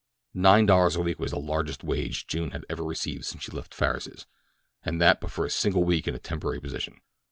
Nine dollars a week was the largest wage June had ever received since she left Farris's, and that for but a single week in a temporary position.